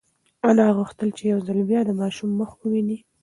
انا غوښتل چې یو ځل بیا د ماشوم مخ وویني.